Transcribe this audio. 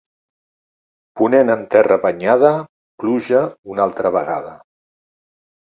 Ponent en terra banyada, pluja una altra vegada.